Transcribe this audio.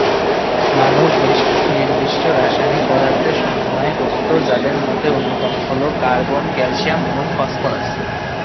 মানব বেশ কিছু নির্দিষ্ট রাসায়নিক পদার্থের সমন্বয়ে গঠিত যাদের মধ্যে অন্যতম হলো কার্বন, ক্যালসিয়াম এবং ফসফরাস।